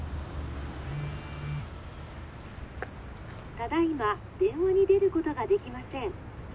「ただいま電話に出ることができません」。